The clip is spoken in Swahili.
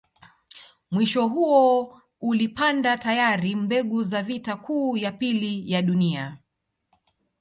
Mwisho huo ulipanda tayari mbegu za vita kuu ya pili ya dunia